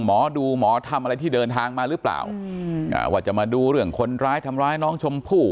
หมอดูหมอทำอะไรที่เดินทางมาหรือเปล่าว่าจะมาดูเรื่องคนร้ายทำร้ายน้องชมพู่